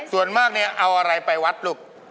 ส่วนมากเอาอะไรไปวัดลูก